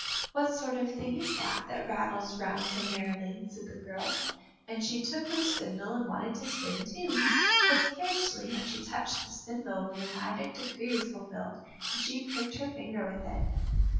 "What sort of thing is that, that rattles round so merrily?" said the girl, and she took the spindle and wanted to spin too. But scarcely had she touched the spindle when the magic decree was fulfilled, and she pricked her finger with it.